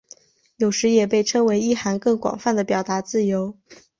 有时也被称为意涵更广泛的表达自由。